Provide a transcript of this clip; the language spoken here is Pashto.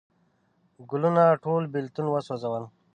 ګلونه ټول بیلتون وسوزل